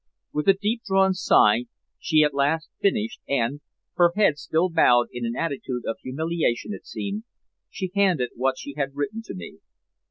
With a deep drawn sigh she at last finished, and, her head still bowed in an attitude of humiliation, it seemed, she handed what she had written to me.